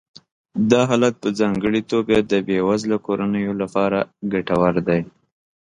دا حالت په ځانګړې توګه د بې وزله کورنیو لپاره ګټور دی